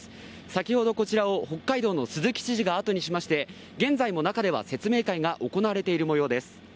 先ほどこちらを北海道の鈴木知事が後にしまして現在も中では説明会が行われている模様です。